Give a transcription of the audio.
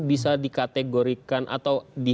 bisa dikategorikan atau